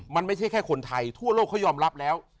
มันไม่ใช่แค่คนไทยทั่วโลกเขายอมรับแล้ว